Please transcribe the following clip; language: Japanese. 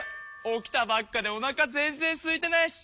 起きたばっかでおなか全然すいてないし。